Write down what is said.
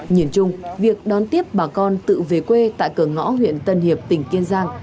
nhìn chung việc đón tiếp bà con tự về quê tại cửa ngõ huyện tân hiệp tỉnh kiên giang